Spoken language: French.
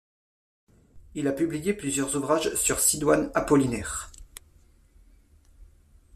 Il a publié plusieurs ouvrages sur Sidoine Apollinaire.